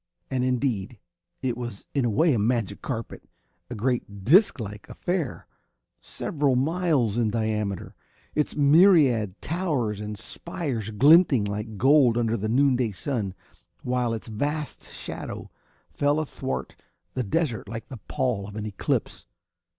And indeed, it was in a way a magic carpet a great disclike affair, several miles in diameter, its myriad towers and spires glinting like gold under the noonday sun, while its vast shadow fell athwart the desert like the pall of an eclipse.